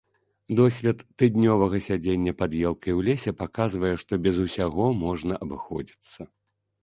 Досвед тыднёвага сядзення пад елкай у лесе паказвае, што без усяго можна абыходзіцца.